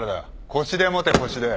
腰で持て腰で。